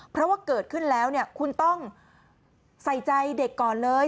เพราะว่าเกิดขึ้นแล้วคุณต้องใส่ใจเด็กก่อนเลย